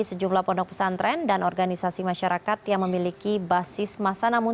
sejumlah pondok pesantren dan organisasi masyarakat yang memiliki basis masa namun